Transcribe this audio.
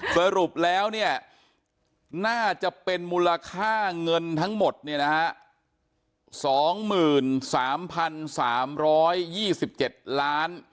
สรุปแล้วเนี่ยน่าจะเป็นมูลค่าเงินทั้งหมดเนี่ยนะฮะ๒๓๓๒๗ล้าน